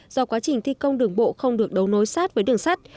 do quá trình thi công đường bộ không được đấu nối sát với đường sắt